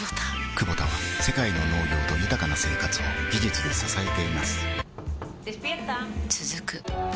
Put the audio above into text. クボタは世界の農業と豊かな生活を技術で支えています起きて。